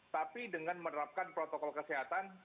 tapi dengan menerapkan protokol kesehatan